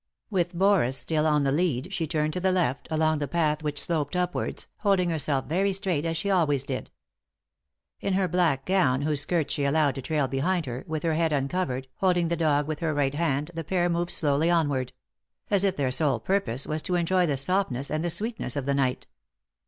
With Boris still on the lead, she turned to the left, along the path which sloped upwards, holding herself very straight, as she always did. In her black gown, whose skirts she allowed to trail behind her, with her head uncovered, holding the dog with her right hand, the pair moved slowly onward; as if their, sole purpose was to enjoy the softness and the sweetness of the night.